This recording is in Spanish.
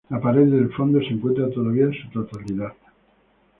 La pared del fondo se encuentra todavía en su totalidad.